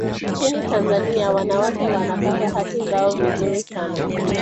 nchini tanzania wanawake wanapata haki zao vizuri sana